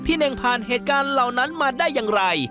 เน่งผ่านเหตุการณ์เหล่านั้นมาได้อย่างไร